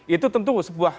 itu tentu sebuah